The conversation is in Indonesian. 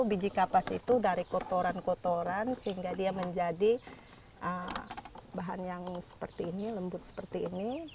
biji kapas itu dari kotoran kotoran sehingga dia menjadi bahan yang seperti ini lembut seperti ini